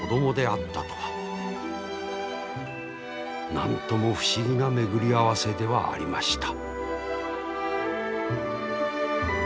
何とも不思議な巡り合わせではありました。